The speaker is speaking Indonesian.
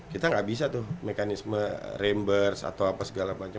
kita nggak bisa tuh mekanisme ramburs atau apa segala macam